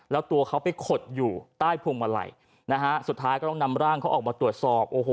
แล้วตัวเขาไปขดอยู่ใต้พวงมาลัยนะฮะสุดท้ายก็ต้องนำร่างเขาออกมาตรวจสอบโอ้โห